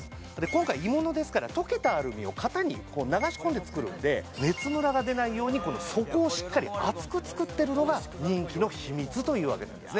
今回鋳物ですから溶けたアルミを型に流し込んで作るので熱ムラが出ないように底をしっかり厚く作っているのが人気の秘密というわけなんですね